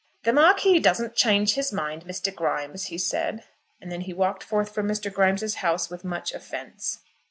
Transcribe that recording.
"The Marquis doesn't change his mind, Mr. Grimes," he said; and then he walked forth from Mr. Grimes's house with much offence.